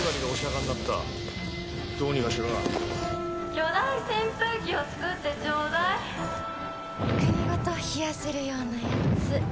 「巨大扇風機を作ってちょうだい」国ごと冷やせるようなやつ。